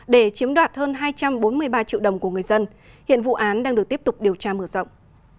để chiếm đoạt hơn hai trăm bốn mươi ba triệu đồng của người dân hiện vụ án đang được tiếp tục điều tra mở rộng